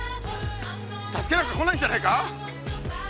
助けなんか来ないんじゃないか？